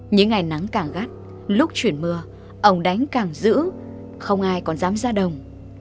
những ngày nắng càng gắt lúc chuyển mưa ông đánh càng giữ không ai còn dám ra đồng